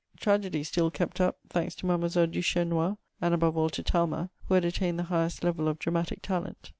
Tragedy still kept up, thanks to Mademoiselle Duchesnois and, above all, to Talma, who had attained the highest level of dramatic talent.